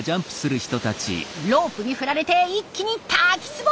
ロープに振られて一気に滝つぼへ！